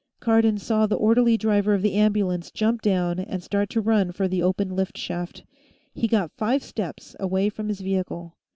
Cardon saw the orderly driver of the ambulance jump down and start to run for the open lift shaft. He got five steps away from his vehicle.